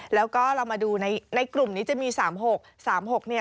แล้วก็เรามาดูในกลุ่มนี้จะมี๓๖